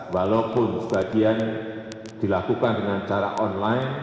walaupun sebagian dilakukan dengan cara online